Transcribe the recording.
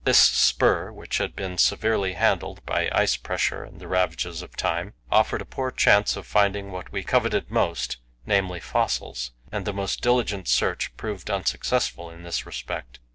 This spur, which had been severely handled by ice pressure and the ravages of time, offered a poor chance of finding what we coveted most namely, fossils and the most diligent search proved unsuccessful in this respect.